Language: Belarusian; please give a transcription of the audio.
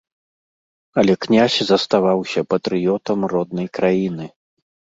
Але князь заставаўся патрыётам роднай краіны.